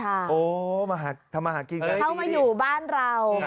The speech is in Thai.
อ๋อมาทำมาหากินก่อนที่นี้จริงไหมเข้ามาอยู่บ้านเรา